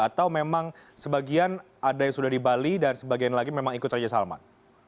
atau memang sebagian ada yang sudah di bali dan sebagian lagi memang ikut raja salman